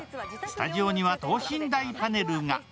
スタジオには等身大パネルが。